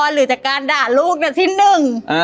หรือจากการด่าลูกที่หนึ่ง